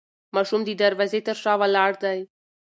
ماشوم د دروازې تر شا ولاړ دی.